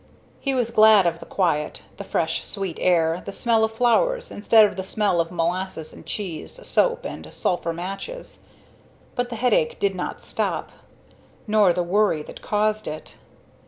He was glad of the quiet, the fresh, sweet air, the smell of flowers instead of the smell of molasses and cheese, soap and sulphur matches. But the headache did not stop, nor the worry that caused it.